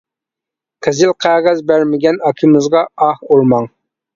قىزىل قەغەز بەرمىگەن ئاكىمىزغا ئاھ ئۇرماڭ.